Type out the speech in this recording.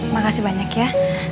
makasih banyak ya